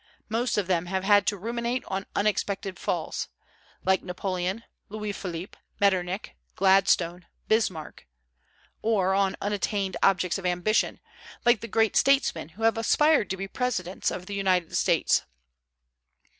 Most of them have had to ruminate on unexpected falls, like Napoleon, Louis Philippe, Metternich, Gladstone, Bismarck, or on unattained objects of ambition, like the great statesmen who have aspired to be presidents of the United States.